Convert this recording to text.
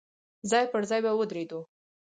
ځای پر ځای به ودرېدو.